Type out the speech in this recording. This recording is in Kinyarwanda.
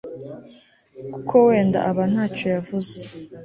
kuko wenda aba nta cyo yavuze